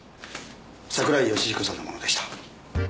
桜井義彦さんのものでした。